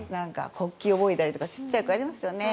国旗を覚えたりとかちっちゃい子やりますよね。